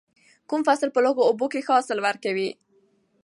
کوم فصل په لږو اوبو کې ښه حاصل ورکوي؟